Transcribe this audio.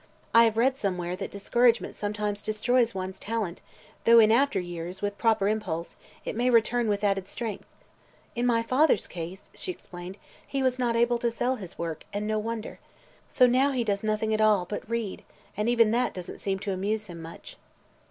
I have read somewhere that discouragement sometimes destroys one's talent, though in after years, with proper impulse, it may return with added strength. In my father's case," she explained, "he was not able to sell his work and no wonder. So now he does nothing at all but read, and even that doesn't seem to amuse him much."